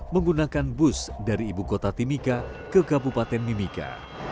menggunakan bus dari ibu kota timika ke kabupaten mimika